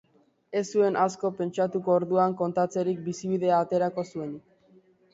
Ez zuen asko pentsatuko orduan kontatzetik bizibidea aterako zuenik.